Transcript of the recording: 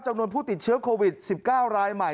จำนวนผู้ติดเชื้อโควิด๑๙รายใหม่